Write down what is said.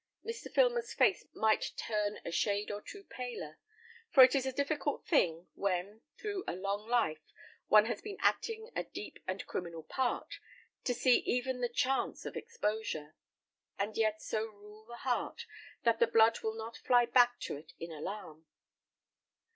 Mr. Filmer's face might turn a shade or two paler; for it is a difficult thing, when, through a long life, one has been acting a deep and criminal part, to see even the chance of exposure, and yet so rule the heart, that the blood will not fly back to it in alarm.